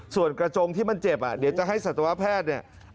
ส่วนกระจงที่มันเจ็บอ่ะเดี๋ยวจะให้สัตวแพทย์เนี่ย